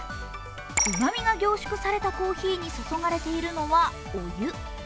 うまみが凝縮されたコーヒーに注がれているのはお湯。